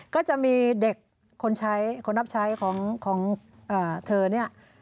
ก็จะมีเด็กคนใช้คนรับใช้ของเธอเนี่ย